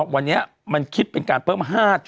วันนี้มันคิดเป็นการเพิ่ม๕๐